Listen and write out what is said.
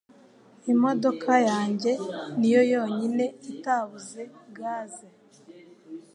Imodoka yanjye niyo yonyine itabuze gaze.